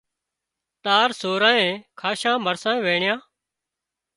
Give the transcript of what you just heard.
تار سورانئين کاشان مرسان وينڻيان